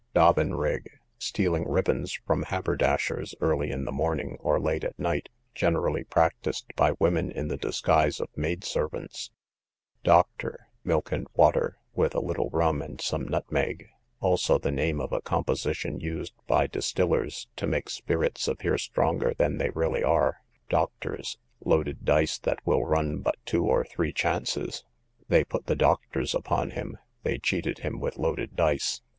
Dobin rig, stealing ribbons from haberdashers early in the morning, or late at night, generally practised by women in the disguise of maid servants, Doctor, milk and water, with a little rum and some nutmeg; also the name of a composition used by distillers, to make spirits appear stronger than they really are. Doctors, loaded dice that will run but two or three chances—they put the doctors upon him; they cheated him with loaded dice.